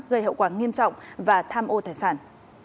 gây hậu quả nghiêm trọng và tham ô tài sản